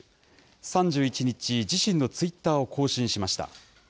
３１日、自身のツイッターを更新しました。